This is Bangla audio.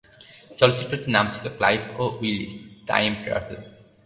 চলচ্চিত্রটির নাম ছিল "ক্লাইড ও উইলিস: টাইম ট্রাভেল"।